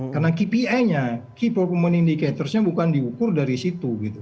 karena kpi nya key performance indicators nya bukan diukur dari situ